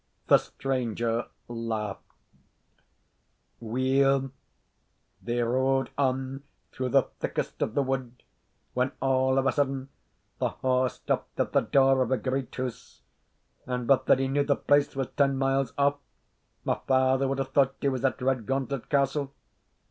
The stranger laughed. Weel, they rode on through the thickest of the wood, when, all of a sudden, the horse stopped at the door of a great house; and, but that he knew the place was ten miles off, my father would have thought he was at Redgauntlet Castle.